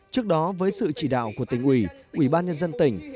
trước đó với sự chỉ đạo của tỉnh ủy ủy ban nhân dân tỉnh